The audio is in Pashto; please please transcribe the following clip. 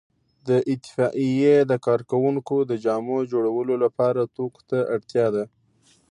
د اطفائیې د کارکوونکو د جامو جوړولو لپاره توکو ته اړتیا ده.